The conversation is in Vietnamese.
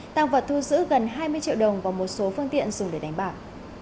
tăng vật thu giữ gần hai mươi triệu đồng và một số phương tiện dùng để đánh bạc